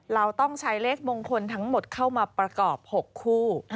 เราต้องใช้เลขมงคลทั้งหมดเข้ามาประกอบ๖คู่